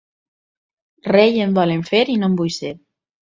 Rei em volen fer i no en vull ser.